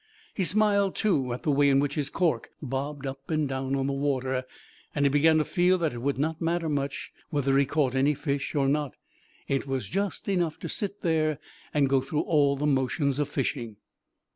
He smiled too at the way in which his cork bobbed up and down on the water, and he began to feel that it would not matter much whether he caught any fish or not. It was just enough to sit there and go through all the motions of fishing.